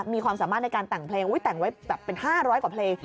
มีความสามารถในการแต่งเพลงแต่งไว้แบบเป็น๕๐๐กว่าเพลง